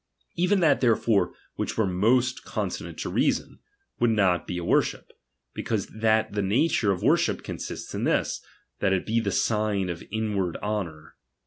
Even that therefore which were most con sonant to reason, would not be a worship ; be cause that the nature of worship consists in this, that it be the sign oj' inward honour